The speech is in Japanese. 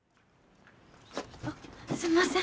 あっすんません。